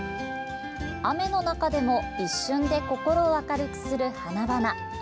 雨の中でも一瞬で心を明るくする花々。